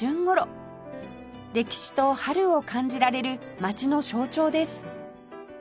歴史と春を感じられる街の象徴です